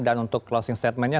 dan untuk closing statementnya